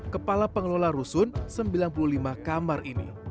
kepala pengelola rusun sembilan puluh lima kamar ini